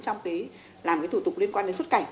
trong cái làm cái thủ tục liên quan đến xuất cảnh